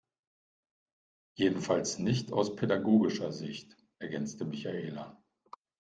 Jedenfalls nicht aus pädagogischer Sicht, ergänzte Michaela.